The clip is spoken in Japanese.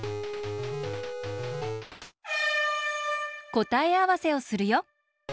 こたえあわせをするよ。